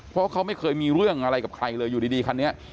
เพราะเขาไม่เคยมีเรื่องอะไรกับใครเลยอยู่ดีคันนี้